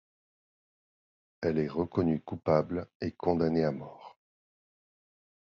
Elle est reconnue coupable et condamnée à mort.